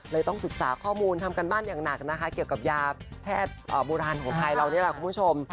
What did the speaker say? ต้องศึกษาข้อมูลทำการบ้านอย่างหนักนะคะเกี่ยวกับยาแพทย์โบราณของไทยเรานี่แหละคุณผู้ชม